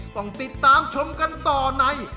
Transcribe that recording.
ต้องติดตามชมกันต่อใน